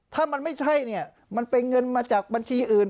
ถ้ามันไม่ใช่เนี่ยมันเป็นเงินมาจากบัญชีอื่น